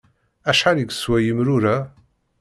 Acḥal yeswa yemru-a?